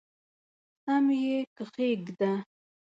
سم یې کښېږده !